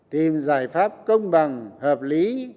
tìm giải pháp công bằng hợp lý